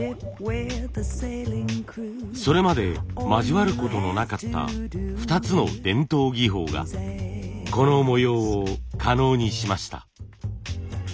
それまで交わることのなかった２つの伝統技法がこの模様を可能にしました。